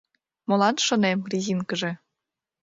Молан, шонем, резинкыже?